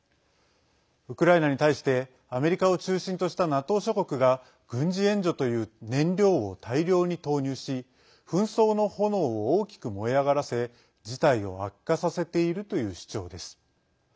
ウクライナに対してアメリカを中心としたＮＡＴＯ諸国が軍事援助という燃料を大量に投入し紛争の炎を大きく燃え上がらせ事態を悪化させているという主張です。